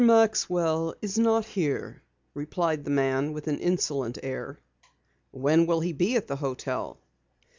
Maxwell is not here," replied the man with an insolent air. "When will he be at the hotel?"